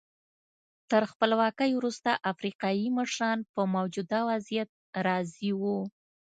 تر خپلواکۍ وروسته افریقایي مشران په موجوده وضعیت راضي وو.